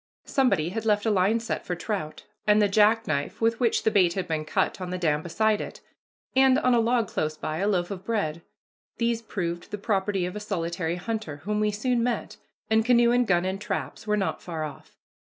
Somebody had left a line set for trout, and the jackknife with which the bait had been cut on the dam beside it, and, on a log close by, a loaf of bread. These proved the property of a solitary hunter, whom we soon met, and canoe and gun and traps were not far off.